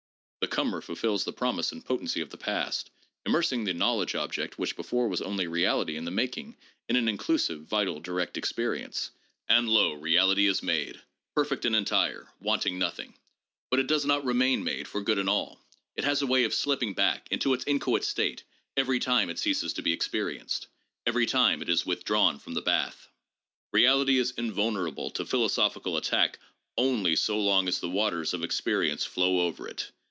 The ' comer ' fulfils the promise and potency of the past, immers ing the knowledge object, which before was only reality in the mak ing, " in an inclusive, vital, direct experience," and lo ! reality is made, perfect and entire, wanting nothing. But it does not re main made for good and all. It has a way of slipping back into its inchoate state every time it ceases to be experienced, every time it is withdrawn from the bath. Reality is invulnerable to philosophical attack only so long as the waters of experience flow over it.